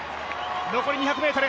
残り２００ｍ。